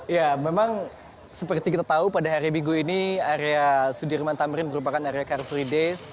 ya memang seperti kita tahu pada hari minggu ini area sudirman tamrin merupakan area car free days